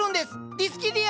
ディスキディア！